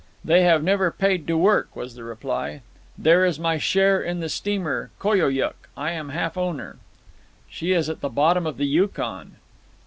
"They have never paid to work," was the reply. "There is my share in the steamer Koyokuk. I am half owner." "She is at the bottom of the Yukon."